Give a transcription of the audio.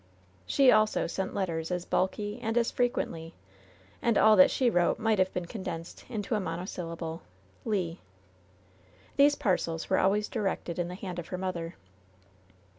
She also sent letters as bulky and as frequently; and ^all that she wrote might have been condensed into a mon osyllable— "Le." These parcels were always directed in the hand of her mother.